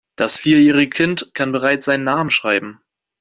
Das vierjährige Kind kann bereits seinen Namen schreiben.